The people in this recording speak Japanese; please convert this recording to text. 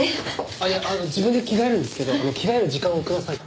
ああいやあの自分で着替えるんですけど着替える時間をください。